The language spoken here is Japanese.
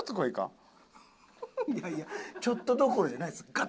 いやいやちょっとどころじゃないです。